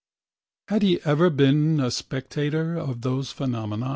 Had he ever been a spectator of those phenomena?